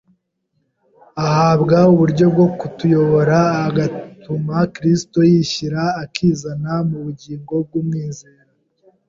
Ahabwa uburyo bwo kutuyobora agatuma Kristo yishyira akizana mu bugingo bw'umwizera